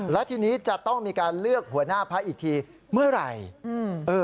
และทีนี้จะต้องมีการเลือกหัวหน้าพักอีกทีเมื่อไหร่